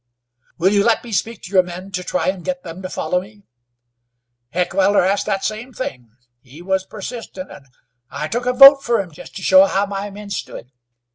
"Will you let me speak to your men, to try and get them to follow me?" "Heckewelder asked that same thing. He was persistent, and I took a vote fer him just to show how my men stood.